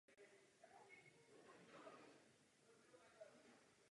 Na podzim nese nápadné modré plody.